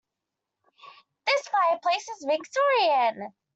This fireplace is Victorian.